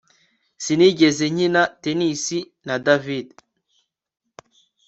Sinigeze nkina tennis na David